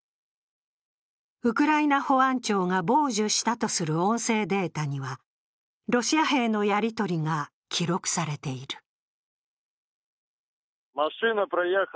ウクライナ保安庁が傍受したとする音声データには、ロシア兵のやりとりが記録されている。